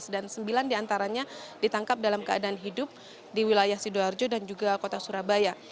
sembilan belas dan sembilan diantaranya ditangkap dalam keadaan hidup di wilayah sidoarjo dan juga kota surabaya